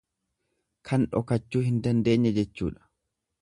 Kan dhokachuu hin dandeenye jechuudha.